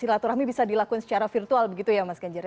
silaturahmi bisa dilakukan secara virtual begitu ya mas ganjar ya